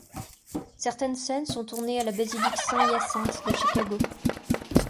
Certaines scènes sont tournées à la basilique Saint-Hyacinthe de Chicago.